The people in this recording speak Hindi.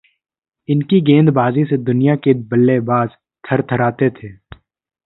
इनकी गेंदबाजी से दुनिया के बल्लेबाज थर्राते थे